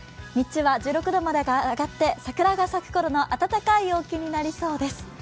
日中は１６度まで上がって桜が咲くころの暖かい陽気になりそうです。